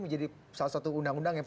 menjadi salah satu undang undang yang